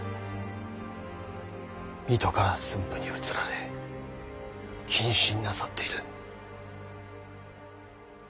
水戸から駿府に移られ謹慎なさっている。